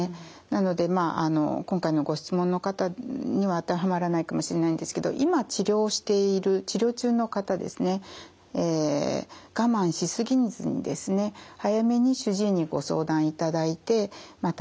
なのでまあ今回のご質問の方には当てはまらないかもしれないんですけど今治療している治療中の方ですね我慢しすぎずにですね早めに主治医にご相談いただいてまあ